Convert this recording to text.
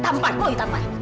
tampar boy tampar